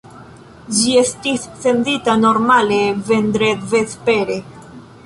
Ĝi estis sendita normale vendredvespere.